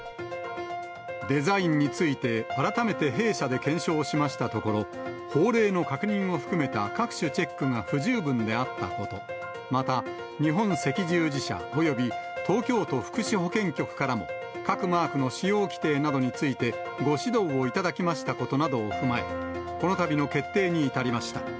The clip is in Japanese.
デザインについて改めて弊社で検証しましたところ、法令の確認を含めた各種チェックが不十分であったこと、また、日本赤十字社および東京都福祉保健局からも、各マークの使用規定などについて、ご指導をいただきましたことなどを踏まえ、このたびの決定に至りました。